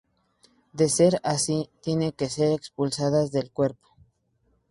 De ser así, tiene que ser expulsada del cuerpo.